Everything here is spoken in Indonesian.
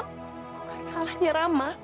bukan salahnya rama